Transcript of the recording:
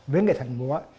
với nghệ thuật múa